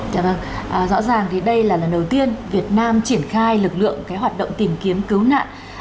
vâng rõ ràng thì đây là lần đầu tiên việt nam triển khai lực lượng cái hoạt động tìm kiếm cứu nạn